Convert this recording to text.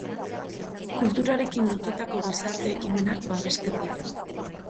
Kulturarekin lotutako gizarte ekimenak babesten ditu.